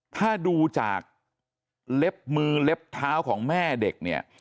ถ้าดูจากเล็บมือเล็บเท้าของแม่เด็กเนี่ย